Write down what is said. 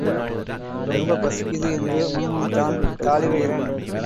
ரொம்பப் பசிக்குது என்று முணுமுணுத்தான் தாழிவயிறன்.